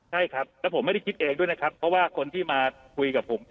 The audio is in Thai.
ใช่ครับแล้วผมไม่ได้คิดเองด้วยนะครับเพราะว่าคนที่มาคุยกับผม